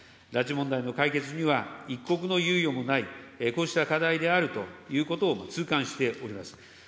拉致問題の解決には一刻の猶予もない、こうした課題であるということを痛感しております。